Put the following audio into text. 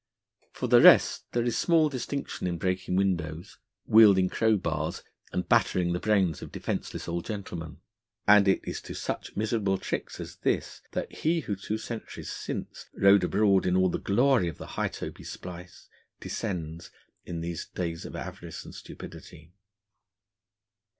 For the rest, there is small distinction in breaking windows, wielding crowbars, and battering the brains of defenceless old gentlemen. And it is to such miserable tricks as this that he who two centuries since rode abroad in all the glory of the High toby splice descends in these days of avarice and stupidity.